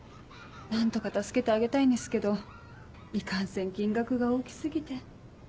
何とか助けてあげたいんですけどいかんせん金額が大き過ぎて。